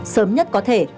sớm nhất có thể